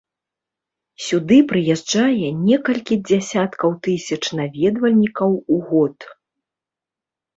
Сюды прыязджае некалькі дзясяткаў тысяч наведвальнікаў у год.